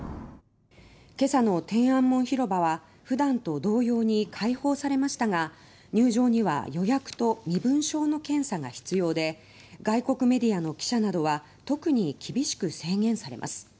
今朝の天安門広場は普段と同様に解放されましたが入場には予約と身分証の検査が必要で外国メディアの記者などは特に厳しく制限されます。